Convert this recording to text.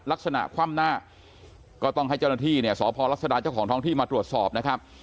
คว่ำหน้าก็ต้องให้เจ้าหน้าที่เนี่ยสพรัศดาเจ้าของท้องที่มาตรวจสอบนะครับ